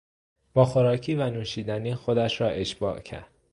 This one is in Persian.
با خوراکی و نوشیدنی خودش را اشباع کرد.